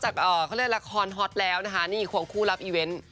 ใช่ต่อที่เขาเล่นละครหอธแล้วนี่คงคู่รับสรุป